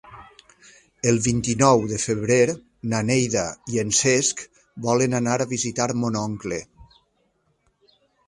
El vint-i-nou de febrer na Neida i en Cesc volen anar a visitar mon oncle.